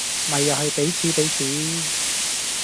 咪又係彼此彼此